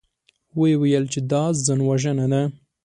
ويې ويل چې دا ځانوژنه ده.